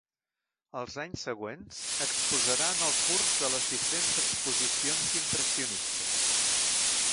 Els anys següents, exposarà en el curs de les diferents exposicions impressionistes.